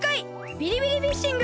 ビリビリフィッシング！